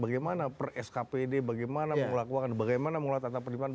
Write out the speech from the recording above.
bagaimana per skpd bagaimana mengelola keuangan bagaimana mengelola tata perlindungan